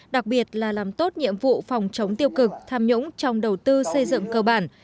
đặc biệt là làm tốt nhiệm vụ phòng chống tiêu cực tham nhũng trong đầu tư xây dựng cơ bản